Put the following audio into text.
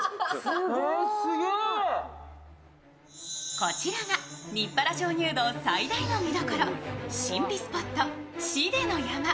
こちらが日原鍾乳洞最大の見どころ、神秘スポット、死出の山。